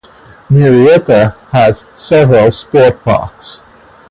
Murrieta has several sport parks.